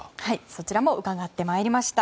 そちらも伺ってまいりました。